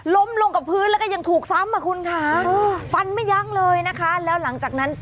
ล้มลงกับพื้นแล้วก็ยังถูกซ้ำอ่ะคุณค่ะฟันไม่ยั้งเลยนะคะแล้วหลังจากนั้น